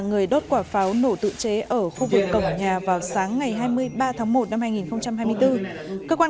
người đốt quả pháo nổ tự chế ở khu vực cổng nhà vào sáng ngày hai mươi ba tháng một năm hai nghìn hai mươi bốn cơ quan